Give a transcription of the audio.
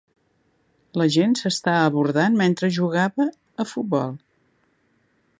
La gent s'està abordant mentre jugava a futbol.